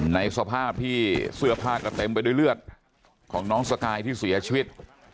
ในสภาพที่เสื้อผ้าก็เต็มไปด้วยเลือดของน้องสกายที่เสียชีวิต